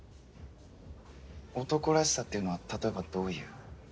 「男らしさ」っていうのは例えばどういう。